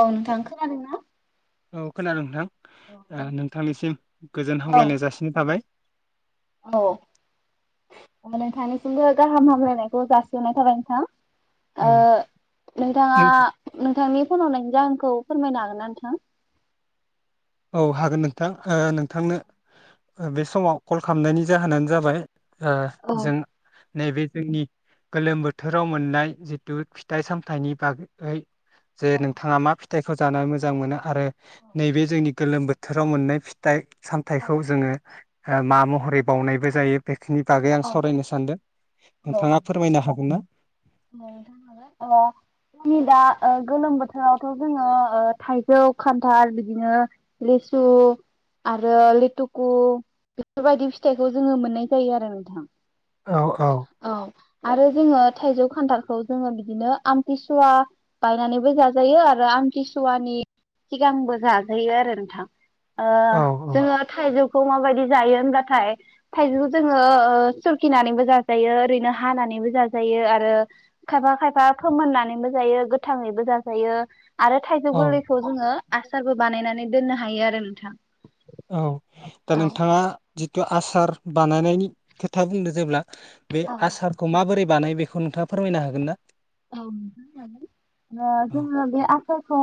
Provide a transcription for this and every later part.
औ नोंथां खोनादों ना? औ खोनादों नोंथां। ओ नोंथांनिसिम गोजोन हामलायनाय जासिनाय थाबाय। औ नोंथांनिसिमबो गाहाम हामलायनायखौ जासिहरनाय थाबाय नोंथां। औ ओ नोंथाङा नों नोंथांनि फन हरनायनि जाहोनखौ फोरमायनो हागोनना नोंथां? औ हागोन नोंथां ओ नोंथांनो बे समाव कल खालामनायनि जाहोनानो जाबाय ओ जों नैबे जोंनि गोलोम बोथोराव मोननाय जिथु फिथाइ सामथाइनि बागै जे नोंथाङा मा फिथाइखौ जाना मोजां मोजां मोना। आरो नैबे जोंनि गोलोम बोथोराव मोननाय फिथाइ सामथाइखौ जोङो मा महरै बावनायबो जायो बे बेखिनि बागै आं सावरायनो सानदों नोंथाङा फोरमायनो हागोन ना? जोंनि दा ओ गोलोम बोथोरावथ' जोङो ओ थाइजौ खान्थाल बिदिनो लेसु आरो लेथुकु बेफोरबायदि फिथाइखौ जोङो मोननाय जायो आरो नोंथां। औ आरो जोङो थायजौ। खानथालखौ जोङो बिदिनो आमथिसुवा बायनानैबो जाजायो आरो आमथिसुवानि सिगांबो जाजायो आरो नोंथां। ओ औ जोङो थाइजौ। खौ माबायदि जायो होनब्लाथाय थाइजौखौ जोङो ओ सुरखिनानैबो जाजायो ओरैनो हानानैबो जाजायो आरो। खायफा खायफा फोमोननानैबो जायो गोथाङैबो जाजायो। आरो थाइजौ औ गोरलैखौ जोङो आसारबो बानायनानै। दोननो हायो आरो नोंथां। औ दा नोंथाङा। आसार बानायनायनि खोथा बुंदों जेब्ला। बे आसारखौ माबोरै। बानायो बेखौ नोंथाङा फोरमायनो हागोन ना। औ ओ औ जोङो बे आ खौ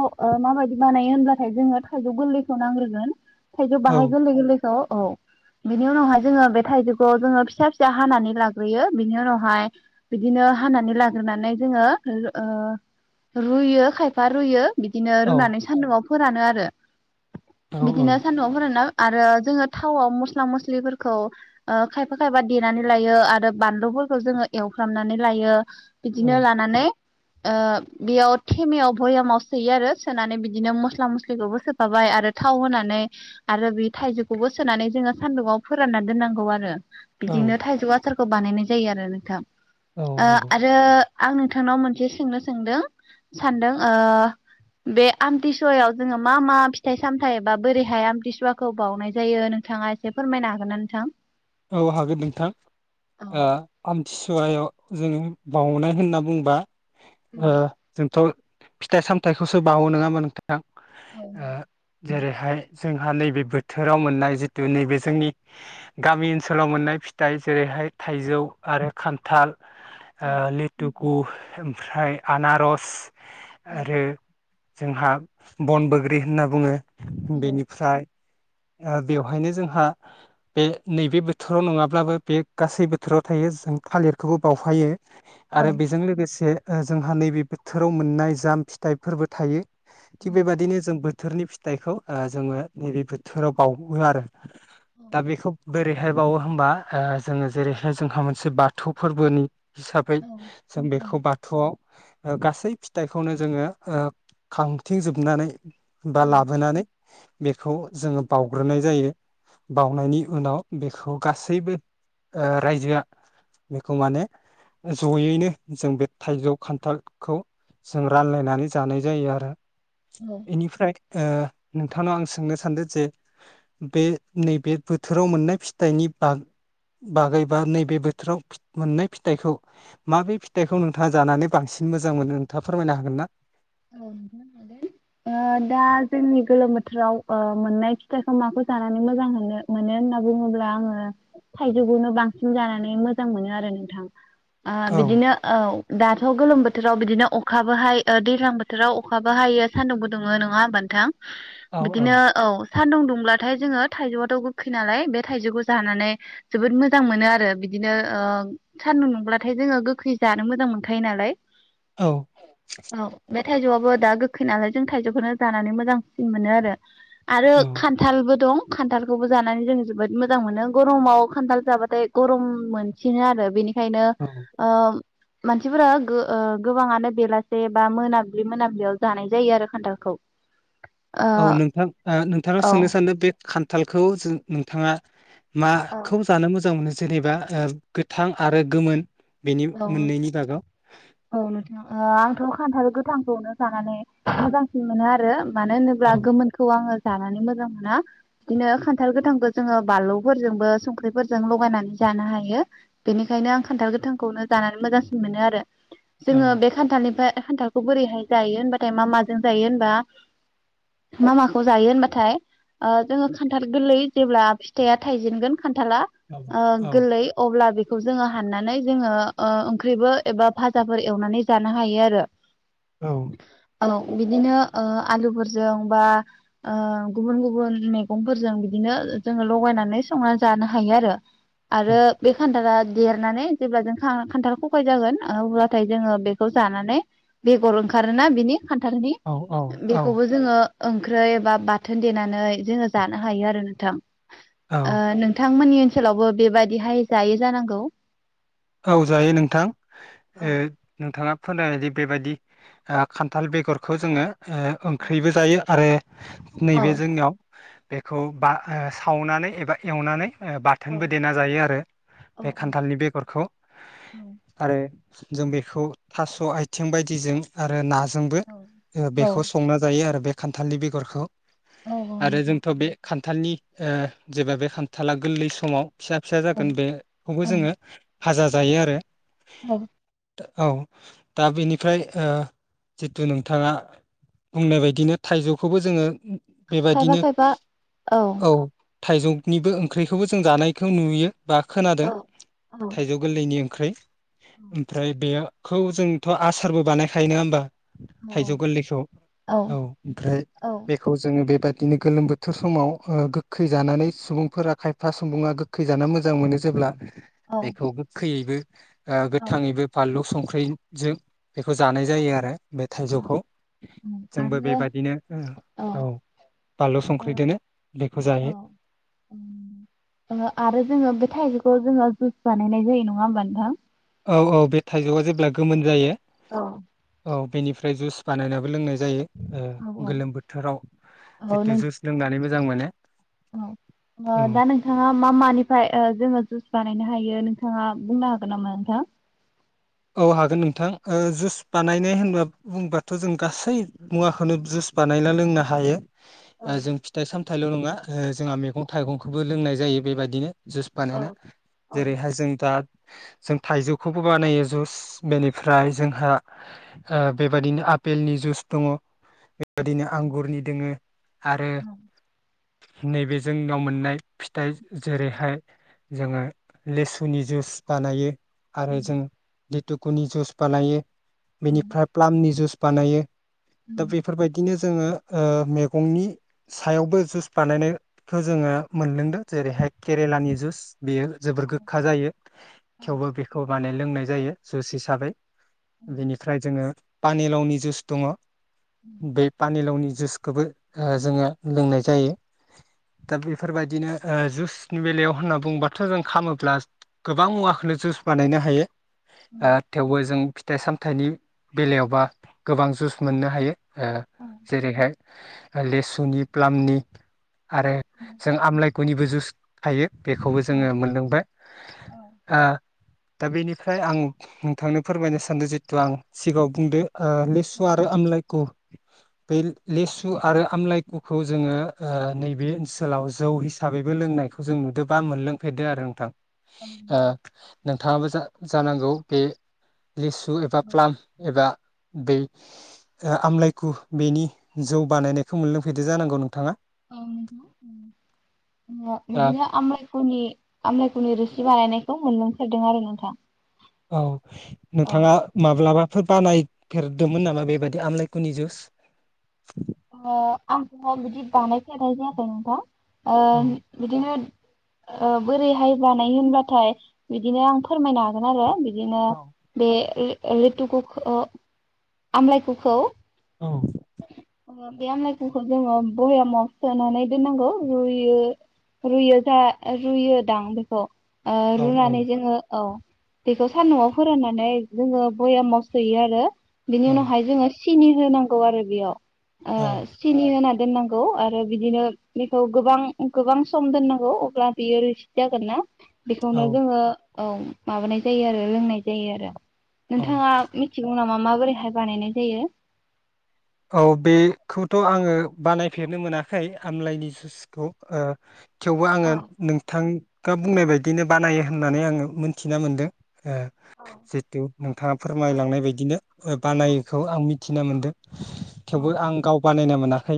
माबायदि बानायो होनब्लाथाय जोङो थाइजौ गोरलैखौ नांग्रोगोन। थाइजौ बाहाय औ गोललै गोललै औ औ बिनि उनावहाय जोङो बे थाइजौखौ जोङो फिसा फिसा हानानै लाग्रोयो बिनि उनावहाय बिदिनो हानानै लाग्रोनानै। जोङो ओ रुयो खायफा रुयो। बिदिनो औ रुनानै सान्दुंआव। फोरानो आरो। बिदिनो औ सान्दुंआव फोरानना। आरो जोङो थावआव मस्ला मस्लिफोरखौ ओ खायफा खायफा देनानै लायो आरो बानलुफोरखौ जोङो एवफ्रामनानै लायो औ बिदिनो लानानै ओ बेयाव थेमेयाव भयामाव सोयो आरो सोनानै बिदिनो मस्ला मस्लिखौबो सोफाबाय आरो थाव होनानै आरो बे थाइजौखौबो सोनानै जोङो सानदुङाव फोराननानै दोननांगौ आरो औ बिदिनो थाइजौआ थारखौ बानायनाय जायो आरो नोंथां औ आ नंगौ। आरो आं नोंथांनाव मोनसे सोंनो सोंदों सानदों बे आमथिसुवायाव जोङो मा मा फिथाइ सामथायाइ बा बोरैहाय आमथिसुवाखौ बावउनाय जायो नोंथाङा एसे फोरमायनो हागोन ना नोंथां औ हागोननोंथां आ आम सुआयाव जोङो बउनाय होनना बुंबा ओ जोंथ फिथाइ सामथायखौसो बावो नङामोन नोंथां बिथां [unintelligible] जेरैहाय जोंहा नैबे बोथोराव मोननाय जिथु नैबे जोंनि गामि ओनसोलाव मोननाय फिथाइ जेरैहाय थाइजौ आरो खान्थाल आ लिटु गु ओमफ्राय आनारस आरो जोंहा बन बोग्रि होनना बुङो । बेनिफ्राय बेवहायनो जोंहा बे नैबे बोथोराव नङाब्लाबो बे गासै बोथोराव थायो जों थालिरखौबो बावफायो । आरो बेजों लोगोसे जोंहा नैबे बोथोराव मोननाय जाम फिथाइफोरबो थायो । थिग बेबादिनो जों बोथोरनि फिथाइखौ जोङो नैबे बोथोराव बावो आरो । दा बेखौ बोरैहाय बावो होमबा ओ जोङो जेरैहाय जोंहा मोनसे बाथौ फोर्बोनि हिसाबै जों बेखौ बाथौआव गासै फिथाइखौनो जोङो ओ खांथिंजोबनानै बा लाबोनानै बेखौ जोङो बावग्रोनाय जायो । बावनायनि उनाव बेखौ गासैबो रायजोआ बेखौ माने जयैनो जों बे थाइजौ खान्थालखौ जों रानलायनानै जानाय जायो आरो । बेनिफ्राय ओ नोंथांनाव आं सोंनो सानदों जे बे नैबे बोथोराव मोननाय फिथाइनि बाग बागै बा नैबे बोथोराव मोननाय फिथाइखौ माबे फिथाइखौ नोंथाङा जानानै बांसिन मोजां मोनो नोंथाङा फोरमायनो हागोन ना? औ नोंथां दा जोंनि गोलोम बोथोराव मोननाय फिथाइखौ माखौ जानानै मोजां मोनो होनना बुङोब्ला आङो थाइजौखौनो बांसिन जानानै मोजां मोनो आरो नोंथां । ओ बिदिनो औ । दाथ' गोलोम बोथोराव बिदिनो अखाबोहायो दै दैजां बोथोराव अखाबो हायो सान्दुंबो दुंङो नङा होनबा नोंथां? बिदिनो औ । सान्दुं दुंब्लाथाय जोङो थाइजौआथ' गोखै नालाय बे थाइजौखौ जानानै जोबोद मोजां मोनो आरो बिदिनो ओ सान्दुं दुंब्लाथाय जोङो गोखै जानो मोजां मोनखायो नालाय । औ । बे थाइजौआबो दा गोखै नालाय जों थाइजौखौनो दानानै मोजांसिन मोनो आरो । आरो औ खान्थालबो दं । खान्थालखौबो जानानै जों जोबोद मोजां मोनो गरमाव खान्थाल जाबाथाय गरम मोनसिनो आरो बेनि बेखायनो औ ओ मानसिफोरा गो ओ गोबांङानो बेलासे बा मोनाब्लि मोनाब्लियाव जानाय जायो आरो खान्थालखौ । औ नोंथां नोंथांनाव सोंनो सानदों बे खान्थालखौ जो नोंथाङा माखौ जानो मोजां मोनो? जेनेबा ओ गोथां आरो गोमोन बेनि औ मोननैनि नोथां बागाव औ नोथां ओ आंथ' खान्थाल गोथांखौनो जानानै मोजांसिन मोनो आरो मानो औ होनोब्ला गोमोनखौ आङो जानानै मोजां मोना बिदिनो खान्थाल गोथांखो जोङो बानलौफोरजोंबो संख्रिफोरजों लगायनानै जानो हायो बेनिखायनो आं खान्थाल गोथां खौनो जानानै मोजांसिन मोनो आरो औ जोङो बे खान्थालनिफ्राय खान्थाल खौ बोरैहाय जायो होनबाथाय मा माजों जायो होनबा मा माखौ जायो होनबाथाय ओ जोङो खान्थाल गोल्लै जेब्ला फिथाइया थाइजेनगोन खान्थाला औ ओ औ गोल्लै अब्ला बे खौ जोङो हाननानै जोङो ओ ओंख्रिबो एबा फाजाफोर एवनानै जानो हायो आरो औ औ बिदिनो ओ आलुफोरजों बा ओ गुबुन गुबुन मैगंफोरजों बिदिनो जोङो लगायनानै संनानै जानो हायो आरो। औ आरो बे खान्थाला‌ देरनानै जेब्ला जों [unintelligible] खान्थाल खफाय जागोन ओ अब्लाथाय जोङो बेखौ जानानै बेगर ओंखारोना बिनि खान्थालनि औ औ बेखौबो जोङो ओंख्रै बा बाथोन देनानै जोङो जानो हायो आरो नोंथां। ओ औ नोंथां नोंथां मोननि ओनसोलावबो बे बायदिहाय जायो जानांगौ औ जायो नोंथां ओ नोंथाङा फोनायबायदि बेबायदि ओ खान्थाल बेगरखौ जोङो ओ ओंख्रिबो जायो आरो नैबे जोंनियाव बेखौ बा ओ सावनानै एबा एवनानै ओ बाथोनबो देना जायो आरो बे खान्थालनि बेगरखौ औ आरो जों बेखौ थास' आइथिं बायदिजों आरो नाजों जोंबो ओ बेखौ संना जायो आरो बे खान्थालनि बेगरखौ आरो जोंथ' बे खान खान्थालनि ओ जेब्ला बे खान्थाला गोल्लै समाव फिसा फिसा जागोन बे खौबो जोङो फाजा जायो आरो औ दा औ दा बेनिफ्राय ओ जिथु नोंथाङा बुंनाय बायदिनो थाइजौखौबो जोङो खायफा बेबायदिनो खायफा औ थाइजौनिबो ओंख्रिखौबो जों जानायखौ नुयो। बा खोनादों। गोरलैनि ओंख्रै ओमफ्राय बेयो खौ जोंथ' आसारबो बानायखायो नोङा होमबा? थाइजौ गोरलैखौ औ ओमफ्राय औ बेखौ जोङो बेबाद दिनो गोलोम बोथोर समाव ओ गोखै जानानै सुबुंफोरा खायफा सुबुङा गोखै जानो मोजां मोनो जेब्ला बेखौ गोखैयैबो ओ गोथाङैबो फानलु संख्रि फै जो बेखौ जानाय जायो आरो। बे थाइजौखौ जोंबो बेबादिनो उम औ बानलु संख्रि दोनो बेखौ जायो। ओ जुस बानायनाय जायो नङा होमबा नोंथां? औ औ बे थाइजौआ जेब्ला गोमोन जायो। औ औ बेनिफ्राय जुस बानायनाबो लोंनाय जायो ओ गोलोम बोथोराव नों जिथु जुस लोंनानैबो जां मानो। औ ओ दा नोंथाङा मा मानिफ्राय ओ जोङो जुस बानायनो हायो नोंथाङा बुंनो हागोन नामा नोंथां? औ हागोन नोंथां ओ जुस बानायनाय होनबा बुंबाथ' जों गासै मुवाखौनो जुस बानायना लोंनो हायो। ओ जों फिथाइ साम थाइल' नङा ओ जोंहा मैगं थाइगंखौबो लोंनाय जायो बेबायदिनो जुस बानायना जेरै हाय जों दा जों थाइजौखौबो बानायो जुस बेनिफ्राय जोंहा ओ बेबायदिनो आपेलनि जुस दङ। बेबायदिनो आंगुरनि दोङो आरो नैबे जोंनाव मोननाय फिथाइ जेरैहाय जोङो लेसुनि जुस बानायो। आरो जों लिथुकुनि जुस बानायो। बेनिफ्राय प्लामनि जुस बानायो। दा बेफोरबायदिनो जोङो ओ मैगंनि सायावबो जुस बानायनायखौ जोङो मोनलोंदों जेरैहाय केरेलानि जुस बेयो जोबोर गोखा जायो थेवबो बेखौ माने लोंनाय जायो। जुइस हिसाबै। बेनिफ्राय जोङो पानिलावनि जुस दङ। बे पानिलावनि जुइसखौबो ओ जोङो लोंनाय जायो ।दा बेफोरबायदिनो जुइसनि बेलायाव होनना बुंङोबाथ' जों खामोब्ला गोबां मुवाखौनो जुइस बानायनो हायो। ओ थेवबो जों फिथाइ [unintelligible] फिथाइनि बेलायाव बा गोबां जुइस मोननो हायो। ओ जेरैहाय लेसुनि, प्लामनि आरो जों आमलाय गयनिबो जुस थायो। बेखौबो जोङो मोनलांबाय ओ दा बेनि [unintelligible] आं नोंथांनो फोरमायनो सानदों जितु आं सिगाङाव बुंदो ओ लिसु आरो आमलायखौ बै लेसु आरो आमलायखुखौ जोङो ओ नैबे ओनसोलाव जौ हिसाबै लोंनायखौबो नुदों बा मोनलों फेरदों आरो नोंथां। ओ नोंथाङाबो जों जानांगौ बे लिसु एबा प्लाम एबा बे आमलाइखु बेनि जौ बानायनायखौ मोनलोंफेरदों जानांगौ नोंथाङा? औ नंगौना दा बिदिनो आमलाय [unintelligible] आमलायखुनि रोसि बानायनायखौ मोनलोंफेरदों आरो नोंथां। औ औ नोंथाङा माब्लाबा बेफोर बानायफेरदोंमोन नामा बेबायदि आमलाायखुनि जुस? अ आंथ' बिदि बानायफेरनाय जायाखै नोंथां। औ ओ बिदिनो ओ बोरैहाय बानायो होनबाथाय बिदिनो आं फोरमायनो हागोन आरो। बिदिनो औ बे लिथुख'खौ आमलाय खुखौ औ। ओ बे आमलायखुखौ जोङो बयामाव सोनानै दोननांगौ रुयो रुयो जा रुयो दां बेखौ। ओ औ रुनानै जोङो औ। बेखौ सान्दुंआव फोराननानै जोङो भयामाव सोयो आरो। बिनि औ उनावहाय जोङो सिनि होनांगौ आरो बेयाव। औ ओ सिनि होनानै दोननांगौ आरो बिदिनो बेखौ गोबां-गोबां सम दोननांगौ अब्ला बियो रोसि जागोन ना बेखौनो औ जोङो औ माबानाय जायो आरो लोंनाय जायो आरो। औ नोंथाङा मिथिगौ नामा? माबोरैहाय बानायनाय जायो? औ बेखौथ' आङो बानायफेरनो मोनाखै आमलाइनि जुसखौ ओ थेवबो आङो नोंथां दा बुंनाय बायदिनो बानायो होननानै आङो मोनथिना मोनदों। ओ जिहेथु नोंथाङा फोरमायलांनाय बायदिनो बानायोखौ आं मिथियो। थिना मोन्दों। थेवबो आं गाव बानायना मोनाखै।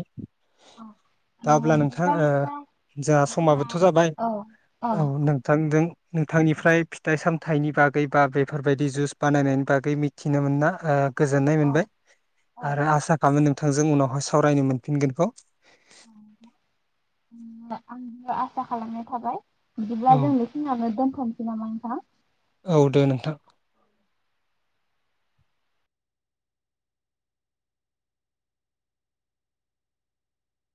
ओ दा अब्ला नोंथां बिदिब्ला जोंहा औ समाबोथ' जाबाय औ नोंथांजों नोंथांनिफ्राय फिथाइ सामथाइनि बागै बा बेफोरबायदि जुस बानायनायनि बागै मिथिनो मोना ओ गोजोननाय मोनबाय। आरो आसा खालामो नोंथांजों उनावहाय सावरायनो मोनफिनगोनखौ। आंबो आसा खालामनाय थाबाय। बिदिब्ला औ जों बे खिनियावनो दोनथ'नोसै नामा नोंथां। औ दे नोंथां।